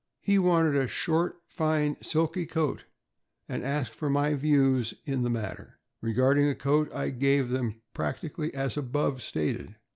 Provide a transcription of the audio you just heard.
He wanted a short, fine, silky coat, and asked for my views in the matter. Regarding coat, I gave them practically as above stated.